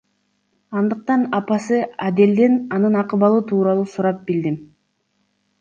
Андыктан апасы Аделден анын акыбалы тууралуу сурап билдим.